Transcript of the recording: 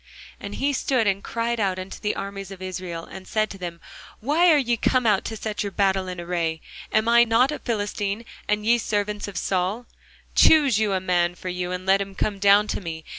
And he stood and cried unto the armies of Israel, and said unto them, Why are ye come out to set your battle in array? Am not I a Philistine, and ye servants to Saul? Choose you a man for you, and let him come down to me.